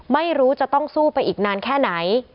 ไม่รู้จะต้องสู้ไปอีกนานแค่ไหน